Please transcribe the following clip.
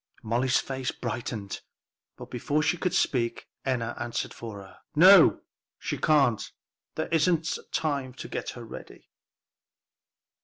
Molly's face brightened, but before she could speak, Enna answered for her. "No, she can't; there isn't time to get her ready."